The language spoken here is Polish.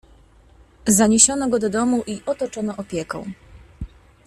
"Zaniesiono go do domu i otoczono opieką."